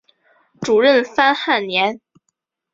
主任潘汉年。